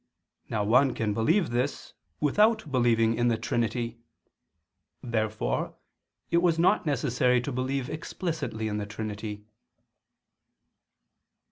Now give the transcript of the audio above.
Now one can believe this without believing in the Trinity. Therefore it was not necessary to believe explicitly in the Trinity.